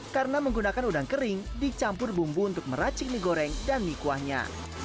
karena menggunakan udang kering dicampur bumbu untuk meracik mie goreng dan mie kuahnya